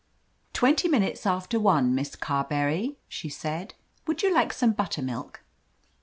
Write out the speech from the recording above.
"Twenty minutes after one. Miss Carberry," she said. "Would you like some buttermilk?"